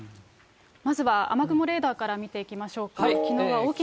まずは雨雲レーダーから見ていきましょうか。